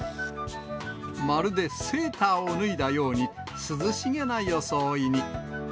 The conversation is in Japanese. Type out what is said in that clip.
まるでセーターを脱いだように、涼しげな装いに。